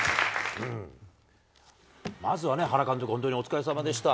まずは原監督、本当にお疲れさまでした。